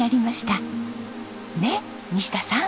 ねっ西田さん。